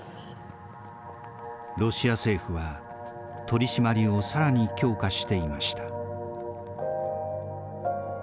ロシア政府は取締りを更に強化していました。